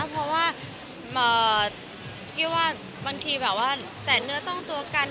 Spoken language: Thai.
เพราะว่าพี่ว่าบางทีแบบว่าแตะเนื้อต้องตัวกัน